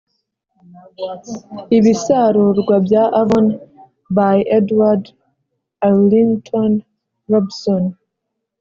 "ibisarurwa bya avon" by edward arlington robinson